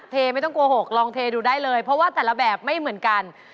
ไม่ต้องโกหกลองเทดูได้เลยเพราะว่าแต่ละแบบไม่เหมือนกัน